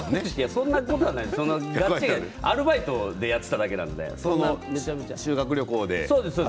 そんなことないアルバイトでやっていただけなので。